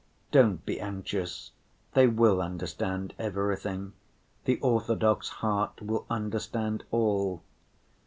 Don't be anxious, they will understand everything, the orthodox heart will understand all!